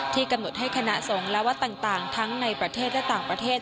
กำหนดให้คณะสงฆ์และวัดต่างทั้งในประเทศและต่างประเทศ